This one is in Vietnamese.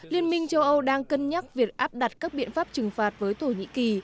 liên minh châu âu đang cân nhắc việc áp đặt các biện pháp trừng phạt với thổ nhĩ kỳ